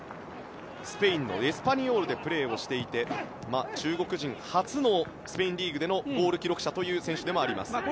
スペインのエスパニョールでプレーをしていて中国人初のスペインリーグでのゴール記録者という選手でもあります。